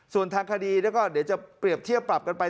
ส่วนทางคดีแล้วก็เดี๋ยวจะเปรียบเทียบปรับกันไป